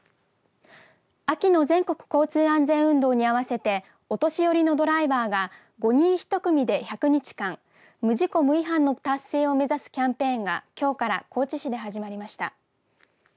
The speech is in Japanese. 秋の全国交通安全運動に合わせてお年寄りのドライバーが５人１組で１００日間無事故・無違反の達成を目指すキャンペーンがきょうから高知市で始まりました。